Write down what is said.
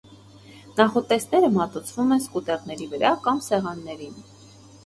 Նախուտեստները մատուցվում են սկուտեղների վրա կամ սեղաններին։